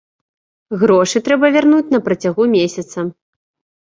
Грошы трэба вярнуць на працягу месяца.